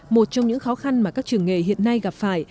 một trong những khó khăn mà các trường nghề hiện nay gặp phải